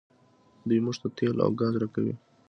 دوی موږ ته تیل او ګاز راکوي.